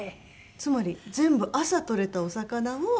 つまり全部朝とれたお魚を。